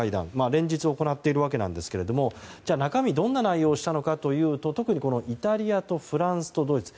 連日、行っているわけなんですが中身、どんな内容かというと特にイタリアとフランスとドイツ。